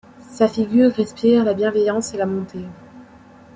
Sa figure respire la bienveillance et la bonté.